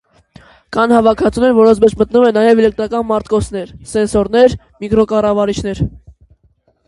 Կան հավաքածուներ որոնց մեջ մտնում են նաև էլեկտրական մարտկոցներ, սենսորներ, միկրոկառավարիչներ։